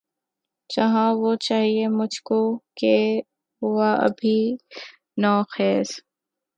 جہاں وہ چاہیئے مجھ کو کہ ہو ابھی نوخیز